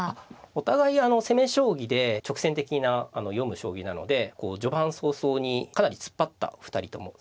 お互い攻め将棋で直線的な読む将棋なので序盤早々にかなり突っ張った２人とも作戦で。